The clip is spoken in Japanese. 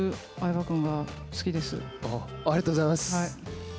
ありがとうございます。